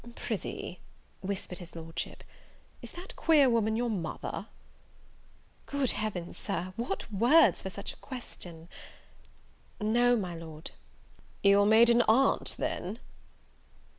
"Prithee," whispered his Lordship, "is that queer woman your mother?" Good Heavens, Sir, what words for such a question! "No, my Lord." "Your maiden aunt then?"